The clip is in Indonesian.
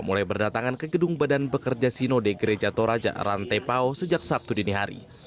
mulai berdatangan ke gedung badan pekerja sinode gereja toraja rantepao sejak sabtu dini hari